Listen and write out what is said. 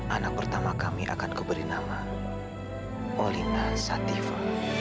anak pertama kami akan kuberi nama olita sativa